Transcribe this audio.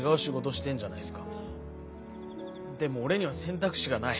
でも俺には選択肢がない。